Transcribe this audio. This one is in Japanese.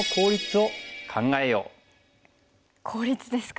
効率ですか。